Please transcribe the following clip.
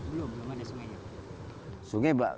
belum belum ada sungainya